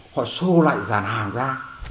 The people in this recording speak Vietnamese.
họ xô lại dàn hàng ra